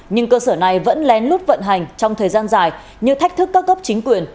nhưng cơ sở này vẫn lén lút vận hành trong thời gian dài như thách thức các cấp chính quyền